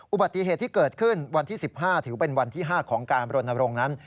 อุบัติเหตุที่เกิดขึ้นวันที่๑๕ถือเป็นวันที่๕ของการบรณรงค์นั้น